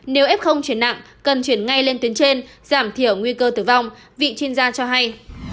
nếu f chuyển nặng cần chuyển ngay lên tuyến trên giảm thiểu nguy cơ tử vong vị chuyên gia cho hay